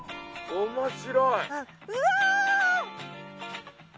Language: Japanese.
おもしろい！